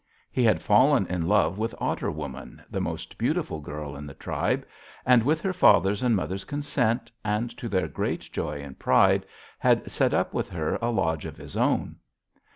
He had fallen in love with Otter Woman, the most beautiful girl in the tribe, and with her father's and mother's consent, and to their great joy and pride, had set up with her a lodge of his own.